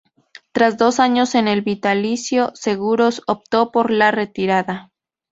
Tras dos años en el Vitalicio Seguros optó por la retirada.